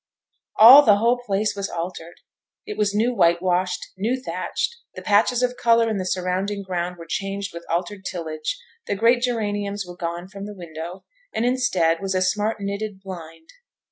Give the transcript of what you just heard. All the whole place was altered! It was new white washed, new thatched: the patches of colour in the surrounding ground were changed with altered tillage; the great geraniums were gone from the window, and instead, was a smart knitted blind.